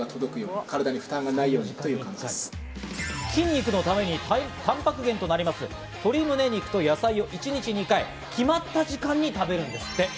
筋肉のために、タンパク源となります鶏胸肉と野菜を１日２回、決まった時間に食べるんですって。